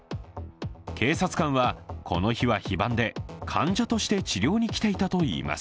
警察官はこの日は非番で患者として治療に来ていたといいます。